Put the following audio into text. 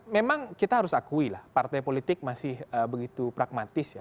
memang kita harus akui lah partai politik masih begitu pragmatis ya